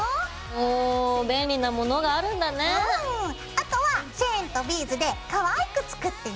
あとはチェーンとビーズでかわいく作ってね。